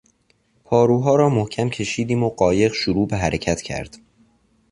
پاروها را محکم کشیدیم و قایق شروع به حرکت کرد.